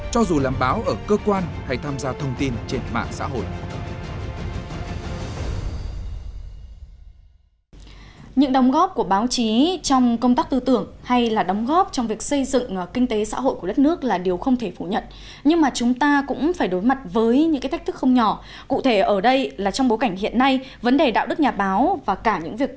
cho dù làm báo ở cơ quan hay tham gia thông tin trên mạng xã hội